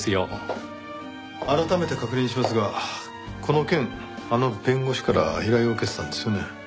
改めて確認しますがこの件あの弁護士から依頼を受けてたんですよね？